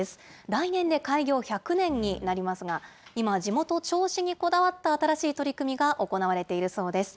来年で開業１００年になりますが、今、地元、銚子にこだわった新しい取り組みが行われているそうです。